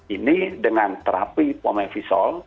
ini dengan terapi pomepisol